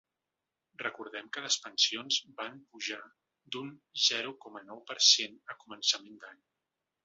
Recordem que les pensions van pujar d’un zero coma nou per cent a començament d’any.